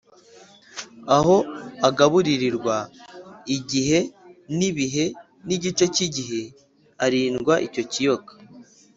aho agaburirirwa igihe n’ibihe n’igice cy’igihe, arindwa icyo kiyoka